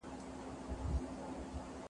تاسو باید په خپلو کارونو کي حوصله ولرئ.